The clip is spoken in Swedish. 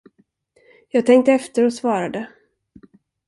Jag tänkte efter och svarade.